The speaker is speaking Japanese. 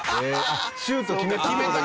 シュート決めた。